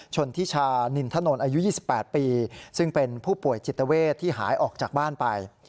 ชนทิชานินถนนอายุ๒๘ปีซึ่งเป็นผู้ป่วยจิตเวทที่หายออกจากบ้านไป